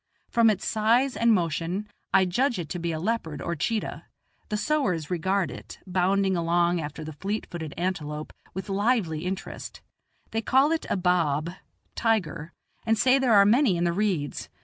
From its size and motion, I judge it to be a leopard or cheetah; the sowars regard it, bounding along after the fleet footed antelope, with lively interest; they call it a "baab" (tiger), and say there are many in the reeds.